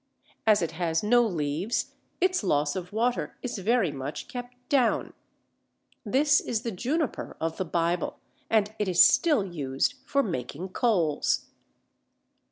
As it has no leaves its loss of water is very much kept down. This is the Juniper of the Bible, and it is still used for making coals.